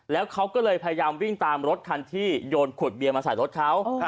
แล้วเขาก็เลยพยายามวิ่งตามรถคันที่โยนขวดเบียร์มาใส่รถเขา